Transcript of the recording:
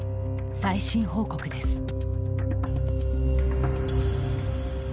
最新報告です。